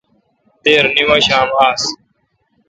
دیر نیمشام آس۔